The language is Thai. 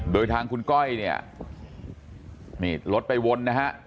โดยทางคุณก้อยนี่รถไปวนครับ